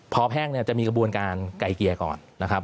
พอแพ่งเนี่ยจะมีกระบวนการไกลเกลี่ยก่อนนะครับ